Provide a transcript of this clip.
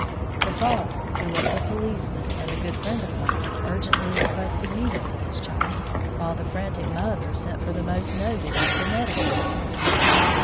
The father, who was a policeman and a good friend of mine, urgently requested me to see his child; while the frantic mother sent for the most noted of the medicine men.